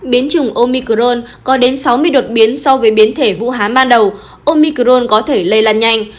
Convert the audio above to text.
biến chủng omicron có đến sáu mươi đột biến so với biến thể vũ hán ban đầu omicron có thể lây lan nhanh